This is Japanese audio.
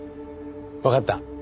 わかった。